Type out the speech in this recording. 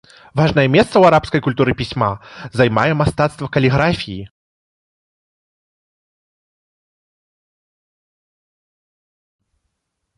Важнае месца ў арабскай культуры пісьма займае мастацтва каліграфіі.